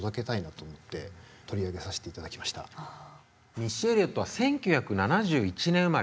ミッシー・エリオットは１９７１年生まれ。